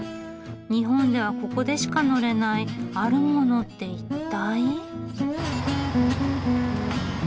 日本ではここでしか乗れない「あるもの」って一体。